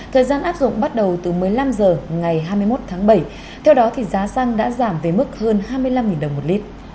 thời gian áp dụng bắt đầu từ một mươi năm h ngày hai mươi một tháng bảy theo đó thì giá xăng đã giảm về mức hơn hai mươi năm đồng một lít